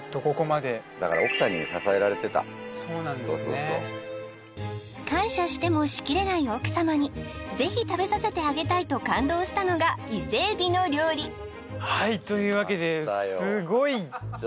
そうそうそう感謝してもしきれない奥様にぜひ食べさせてあげたいと感動したのが伊勢海老の料理はいというわけですごいきましたよ